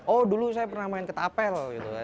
oh dulu saya pernah main ketapel